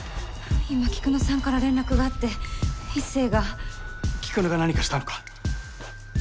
今菊乃さんから連絡があって壱成が菊乃が何かしたのか？